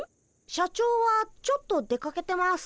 社長はちょっと出かけてます。